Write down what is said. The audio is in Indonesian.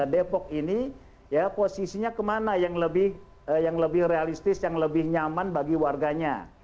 depok ini posisinya kemana yang lebih realistis yang lebih nyaman bagi warganya